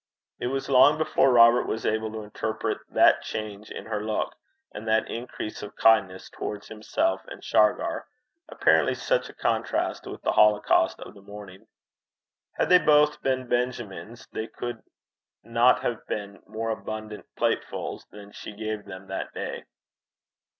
It was long before Robert was able to interpret that change in her look, and that increase of kindness towards himself and Shargar, apparently such a contrast with the holocaust of the morning. Had they both been Benjamins they could not have had more abundant platefuls than she gave them that day.